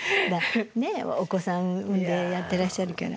ねえお子さん産んでやってらっしゃるから。